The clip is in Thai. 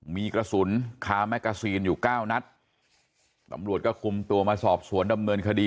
มีกระสุนคาแมกกาซีนอยู่เก้านัดตำรวจก็คุมตัวมาสอบสวนดำเนินคดี